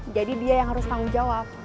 jadi dia yang harus tanggung jawab